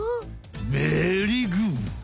ベリーグー！